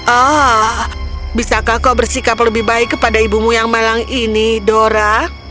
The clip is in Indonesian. ah bisakah kau bersikap lebih baik kepada ibumu yang malang ini dora